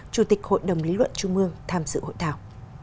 chủ tịch hội đồng lý luận trung mương tham dự hội thảo